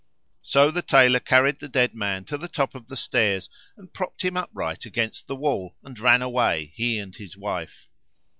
So the Tailor carried the dead man to the top of the stairs and propped him upright against the wall and ran away, he and his wife.